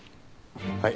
はい。